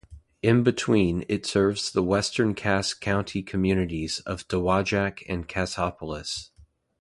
In between, it serves the western Cass County communities of Dowagiac and Cassopolis.